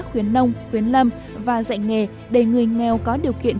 khuyến nông khuyến lâm và dạy nghề để người nghèo có điều kiện